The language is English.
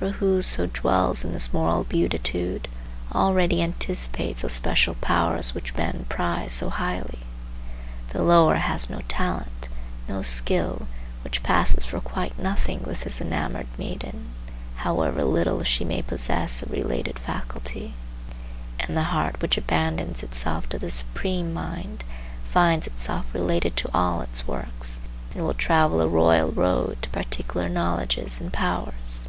For whoso dwells in this moral beatitude already anticipates those special powers which men prize so highly. The lover has no talent, no skill, which passes for quite nothing with his enamoured maiden, however little she may possess of related faculty; and the heart which abandons itself to the Supreme Mind finds itself related to all its works, and will travel a royal road to particular knowledges and powers.